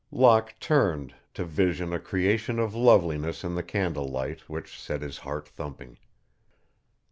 Locke turned to vision a creation of loveliness in the candle light which set his heart thumping.